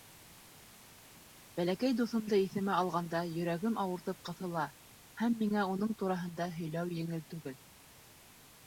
Бәләкәй дуҫымды иҫемә алғанда, йөрәгем ауыртып ҡыҫыла, һәм миңә уның тураһында һөйләү еңел түгел.